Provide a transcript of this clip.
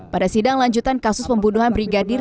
pada sidang lanjutan kasus pembunuhan brigadir